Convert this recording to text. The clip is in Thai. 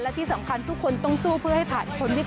และที่สำคัญทุกคนต้องสู้เพื่อให้ผ่านพ้นวิกฤต